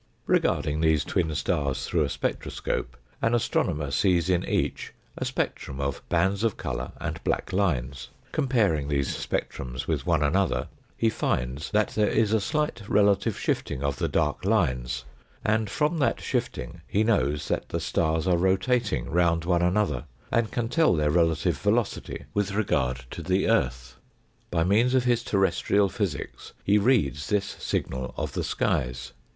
Regarding these twin stars through a spectroscope, an astronomer sees in each a spectrum of bands of colour and black lines. Comparing these spectrums with one another, he finds that there is a slight relative shifting of the dark lines, and from that shifting he knows that the stars are rotating round one another, and can tell their relative velocity with regard to the earth. By means of his terrestrial physics he reads this signal of the skies.